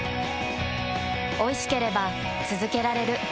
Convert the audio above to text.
おいしければつづけられる。